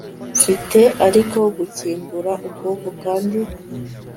mfite ariko gukingura ukuboko, kandi